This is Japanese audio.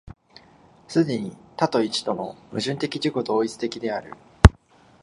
既に多と一との矛盾的自己同一的である。